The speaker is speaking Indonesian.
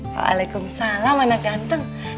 waalaikumsalam anak ganteng